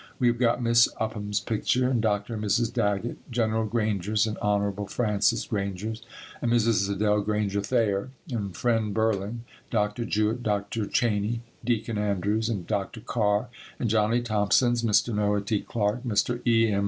We have got Miss Upham's picture and Dr. and Mrs. Daggett, General Granger's and Hon. Francis Granger's and Mrs. Adele Granger Thayer and Friend Burling, Dr. Jewett, Dr. Cheney, Deacon Andrews and Dr. Carr, and Johnnie Thompson's, Mr. Noah T. Clarke, Mr. E. M.